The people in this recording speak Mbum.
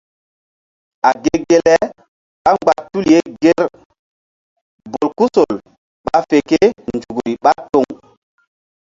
A ge ge le ɓá mgba tul ye ŋger bolkusol ɓa fe kénzukri ɓá toŋ.